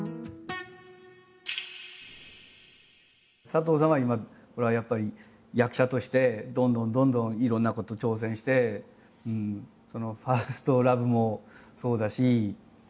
佐藤さんは今ほらやっぱり役者としてどんどんどんどんいろんなこと挑戦して「ＦｉｒｓｔＬｏｖｅ」もそうだし。